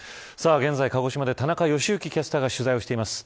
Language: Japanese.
現在、鹿児島で田中良幸キャスターが取材しています。